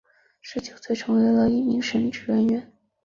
十九岁时成为了一名神职人员。